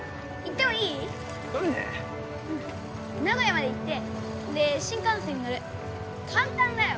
うん名古屋まで行ってで新幹線に乗る簡単だよ